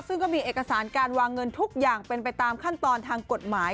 ซึ่งก็มีเอกสารการวางเงินทุกอย่างเป็นไปตามขั้นตอนทางกฎหมาย